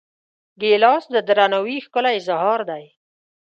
ګیلاس د درناوي ښکلی اظهار دی.